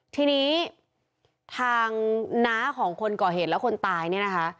ทีนี้ทางน้าของคนก่อเหตุและคนตายเนี่ยนะคะ